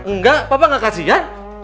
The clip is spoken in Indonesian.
nggak papa gak kasihan